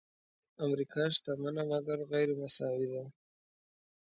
امریکا شتمنه مګر غیرمساوي ده.